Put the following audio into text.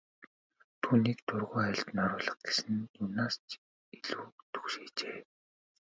Түүнийг дургүй айлд нь оруулах гэсэн нь юу юунаас ч илүү түгшээжээ.